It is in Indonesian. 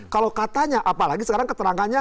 kalau katanya apalagi sekarang keterangannya